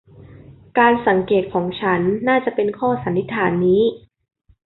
การสังเกตของฉันน่าจะเป็นข้อสันนิษฐานนี้